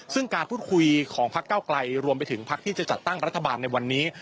ซึ่งการพูดคุยของพักเก้าไกลรวมไปถึงพักที่จะจัดตั้งรัฐบาลในวันนี้